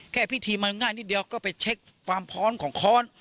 แค่พิธีมันง่ายนิดเดียวก็ไปเช็คความพร้อมของค้อน